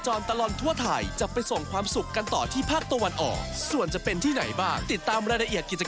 ครั้งต่อไปพวกเราชาวคอรวารไทรัตทีวีสัญจรตลอดทั่วไทย